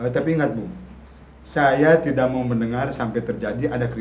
tentunya wanita lain